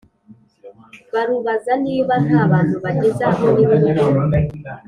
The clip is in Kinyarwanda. barubaza niba ntabantu bageze aho nyirururugo